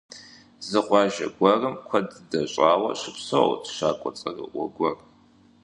Зы къуажэ гуэрым куэд дыдэ щӀауэ щыпсэурт щакӀуэ цӀэрыӀуэ гуэр.